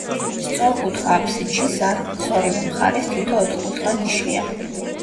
სწორკუთხა აფსიდში, სარკმლის ორივე მხარეს თითო ოთხკუთხა ნიშია.